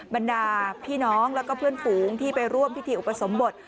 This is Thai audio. บรรดาพี่น้องแล้วก็เพื่อนฝูงที่ไปร่วมพิธีอุปสมบท